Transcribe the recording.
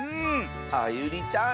あゆりちゃん